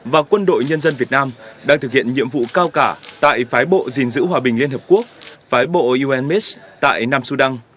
và quân đội nhân dân việt nam đang thực hiện nhiệm vụ cao cả tại phái bộ gìn giữ hòa bình liên hợp quốc phái bộ unmis tại nam sudan